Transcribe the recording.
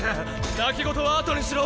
泣き言はあとにしろ！